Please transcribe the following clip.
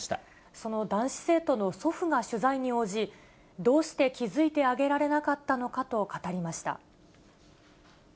その男子生徒の祖父が取材に応じ、どうして気付いてあげられなかったのかと語りました。